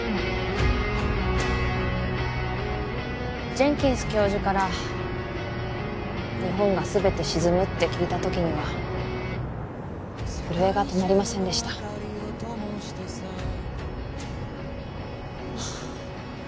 ジェンキンス教授から日本がすべて沈むって聞いた時には震えが止まりませんでしたは